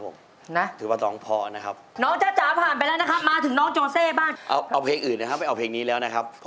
โอ๊ยน้อครับร้องให้ได้ไหมหมดแล้วไม่มีแล้ว